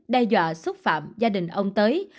đe dọa xúc phạm gia đình ông tới